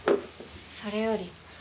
それより。